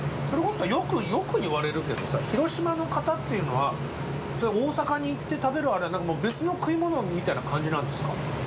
それこそよく言われるけどさ広島の方っていうのは大阪に行って食べる「アレ」は別の食い物みたいな感じなんですか？